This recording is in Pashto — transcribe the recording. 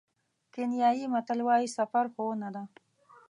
کینیايي متل وایي سفر ښوونه ده.